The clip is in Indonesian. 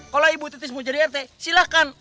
kalau ibu titius mau jadi rt silakan